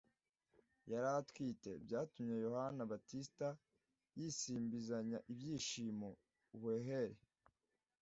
yari atwite, byatumye yohani baptista yisimbizanya ibyishimo ubuhehere